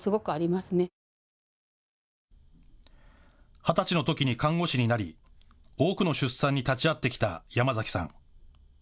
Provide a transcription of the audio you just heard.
二十歳のときに看護師になり、多くの出産に立ち会ってきた山嵜さん。